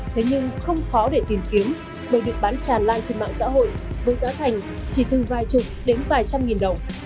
thế nhưng không khó để tìm kiếm bởi được bán tràn lan trên mạng xã hội với giá thành chỉ từ vài chục đến vài trăm nghìn đồng